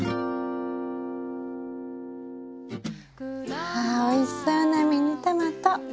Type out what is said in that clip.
ああおいしそうなミニトマト。